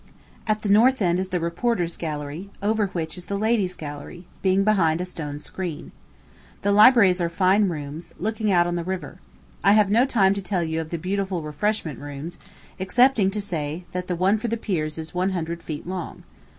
At the north end is the reporters' gallery, over which is the ladies' gallery being behind a stone screen. The libraries are fine rooms, looking out on the river. I have no time to tell you of the beautiful refreshment rooms, excepting to say that the one for the peers is one hundred feet long.